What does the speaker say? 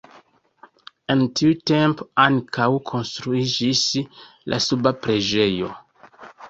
En tiu tempo ankaŭ konstruiĝis la suba preĝejo.